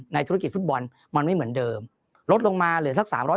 ธุรกิจฟุตบอลมันไม่เหมือนเดิมลดลงมาเหลือสัก๓๐๐